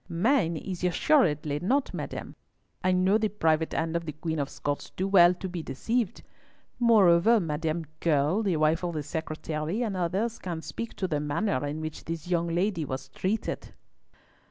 "Mine is assuredly not, madam; I know the private hand of the Queen of Scots too well to be deceived. Moreover, Madame Curll, the wife of the Secretary, and others, can speak to the manner in which this young lady was treated."